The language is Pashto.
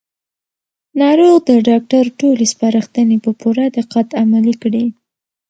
ناروغ د ډاکټر ټولې سپارښتنې په پوره دقت عملي کړې